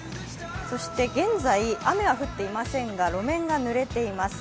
そして、現在雨は降っていませんが路面がぬれています。